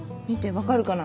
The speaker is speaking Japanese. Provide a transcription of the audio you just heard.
分かるかな？